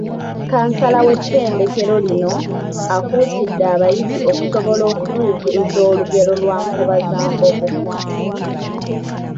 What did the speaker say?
Kansala w’ettendekero lino, akuutidde abayizi okusobola okutuukiriza olugero lwa Nkobazambogo.